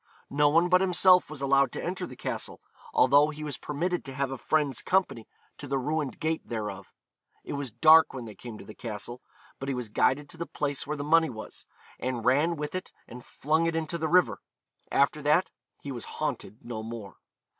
No one but himself was allowed to enter the castle, although he was permitted to have a friend's company to the ruined gate thereof. It was dark when they came to the castle, but he was guided to the place where the money was, and ran with it and flung it into the river. After that he was haunted no more.